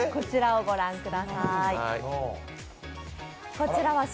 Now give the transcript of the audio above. こちらをご覧ください。